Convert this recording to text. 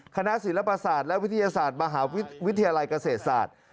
คณะศิลปศาสตร์และวิทยาศาสตร์มหาวิทยาลัยเกษตรศาสตร์